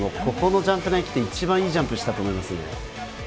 ここのジャンプ台に来て一番いいジャンプしたと思いますね。